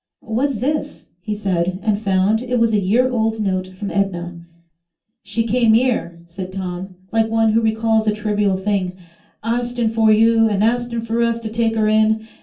"What's this?" he said, and found it was a year old note from Edna. "She came 'ere," said Tom, like one who recalls a trivial thing, "arstin' for you and arstin' us to take 'er in.